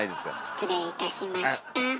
失礼いたしました。